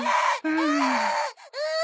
うん。